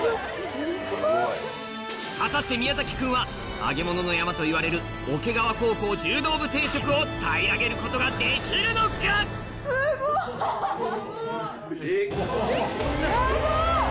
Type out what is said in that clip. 果たして宮君は揚げ物の山といわれる桶川高校柔道部定食を平らげることができるのか⁉ヤバい！